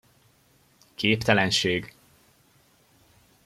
Képtelenség!